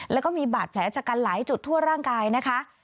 แล้วก็มีบาดแผลชะกันหลายจุดทั่วร่างกายนะคะ